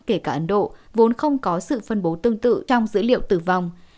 kể cả ấn độ vốn không có sự phân bố tương tự trong dữ liệu tử vong